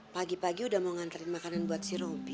pagi pagi udah mau ngantriin makanan buat si robi